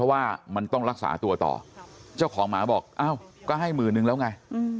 ว่ามันต้องรักษาตัวต่อเจ้าของหมาบอกอ้าวก็ให้หมื่นนึงแล้วไง